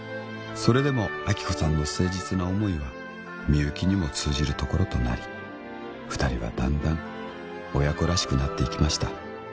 それでも亜希子さんの誠実な思いはみゆきにも通じるところとなり二人はだんだん親子らしくなっていきました